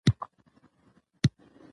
سلیمان غر د افغانانو د معیشت سرچینه ده.